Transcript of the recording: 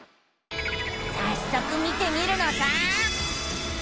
さっそく見てみるのさあ。